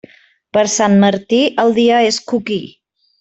Per Sant Martí, el dia és coquí.